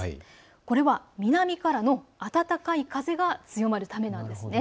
これは南からの暖かい風が強まるためです。